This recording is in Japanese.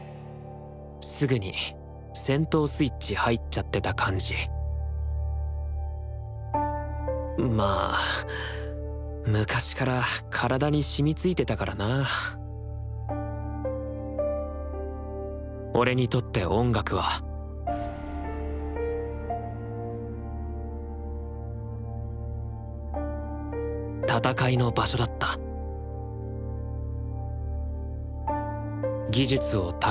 すぐに戦闘スイッチ入っちゃってた感じまあ昔から体に染みついてたからなぁ俺にとって音楽は「戦いの場所」だった技術を高め他者と競い合い音を奏でる